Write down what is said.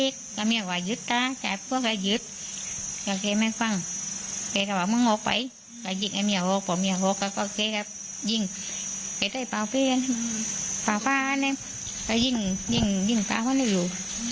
ใส่ปากเปลี่ยนปากฟ้ายิงปากเขาหนึ่งอยู่